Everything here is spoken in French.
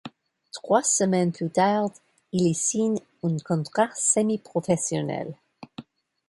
Trois semaines plus tard il y signe un contrat semi-professionnel.